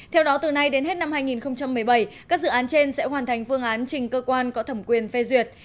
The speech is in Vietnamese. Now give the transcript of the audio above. theo đó từ nay đến hết năm hai nghìn một mươi bảy các dự án trên sẽ hoàn thành phương án trình cơ quan có thẩm quyền phê duyệt